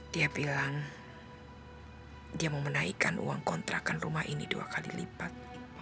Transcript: dia bilang dia mau menaikkan uang kontrakan rumah ini dua kali lipat